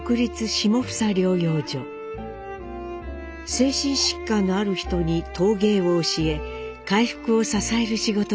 精神疾患のある人に陶芸を教え回復を支える仕事でした。